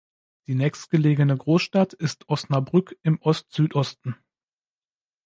Die nächstgelegene Großstadt ist Osnabrück im Ost-Südosten.